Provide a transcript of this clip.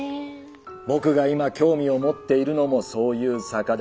僕が今興味を持っているのもそういう「坂」だ。